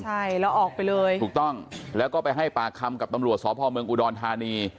ใช่แล้วออกไปเลยถูกต้องแล้วก็ไปให้ปากคำกับตำรวจสพเมืองอุดรธานี